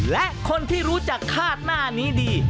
และคนที่รู้จักคาดหน้านี้ดี